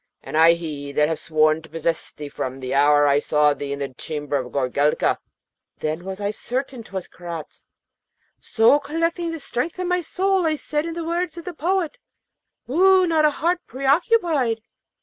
and I he that have sworn to possess thee from the hour I saw thee in the chamber of Goorelka,' then was I certain 'twas Karaz. So, collecting the strength of my soul, I said, in the words of the poet: 'Woo not a heart preoccupied!